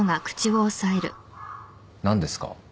何ですか？